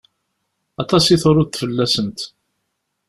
Aṭas i truḍ fell-asent.